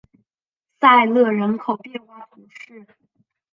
塞勒人口变化图示